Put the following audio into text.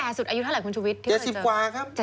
แก่สุดอายุเท่าไหร่คุณชุวิตที่เคยเจอ๗๐กว่าครับ